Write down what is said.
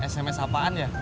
sms apaan ya